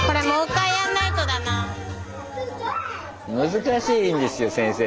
難しいんですよ先生